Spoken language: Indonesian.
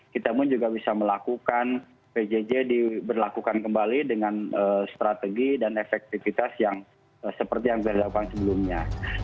kita pun juga bisa melakukan pjj diberlakukan kembali dengan strategi dan efektivitas yang seperti yang sudah dilakukan sebelumnya